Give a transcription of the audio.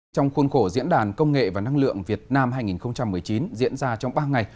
trong khuôn khổ diễn đàn công nghệ và năng lượng việt nam hai nghìn một mươi chín diễn ra trong ba ngày